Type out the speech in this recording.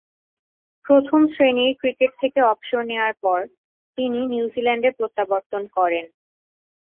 প্রথম-শ্রেণীর ক্রিকেট থেকে অবসর নেয়ার পর তিনি নিউজিল্যান্ডে প্রত্যাবর্তন করেন।